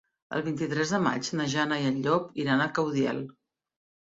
El vint-i-tres de maig na Jana i en Llop iran a Caudiel.